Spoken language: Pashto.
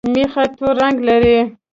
مېخه تور رنګ لري